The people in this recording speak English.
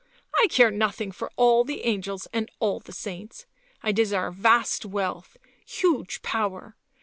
" I care nothing for all the angels and all the saints. ... I desire vast wealth, huge power.